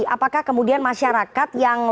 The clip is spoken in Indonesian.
apakah kemudian masyarakat yang lokasinya jalan ke depan